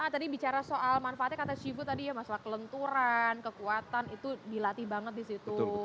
tadi bicara soal manfaatnya kata shifu tadi ya masalah kelenturan kekuatan itu dilatih banget di situ